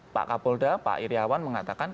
pak kapolda pak iryawan mengatakan